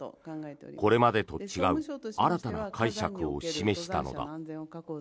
これまでと違う新たな解釈を示したのだ。